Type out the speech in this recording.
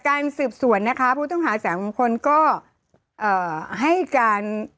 เขาว่าอย่างนั้นนะคะ